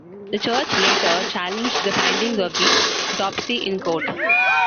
The Church later challenged the findings of the autopsy in court.